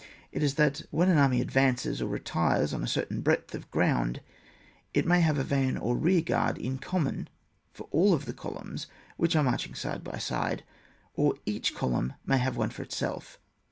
It is that, when an army advances or retires on a certain breadth of ground, it may have a van and rear guard in common for all the columns which are marching side by side, or each column may have one for itself.